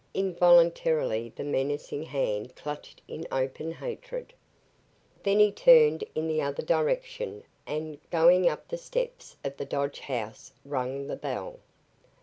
Involuntarily the menacing hand clutched in open hatred. Then he turned in the other direction and, going up the steps of the Dodge house, rang the bell.